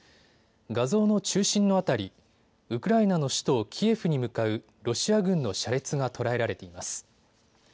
画像の中心の辺り、ウクライナの首都キエフに向かうロシア軍の車列が捉えられています。